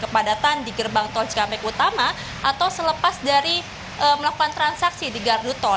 kepadatan di gerbang tol cikampek utama atau selepas dari melakukan transaksi di gardu tol